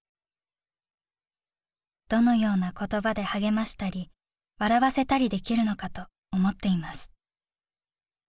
「どのような言葉で励ましたり笑わせたりできるのかと思っています」。